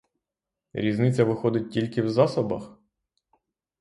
Різниця, виходить, тільки в засобах?